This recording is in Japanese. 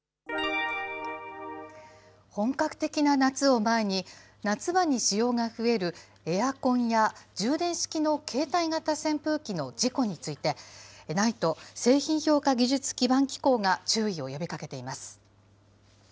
本格的な夏を前に、夏場に使用が増えるエアコンや充電式の携帯型扇風機の事故について、ＮＩＴＥ・製品評価技術基盤機構が、注意を呼びかけています。